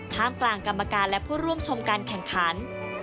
มกลางกรรมการและผู้ร่วมชมการแข่งขัน